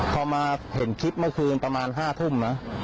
พอมาเห็นคลิปเมื่อคืนประมาณ๕ทุ่มนะ